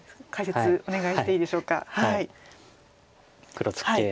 黒ツケで。